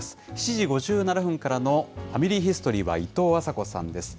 ７時５７分からのファミリーヒストリーはいとうあさこさんです。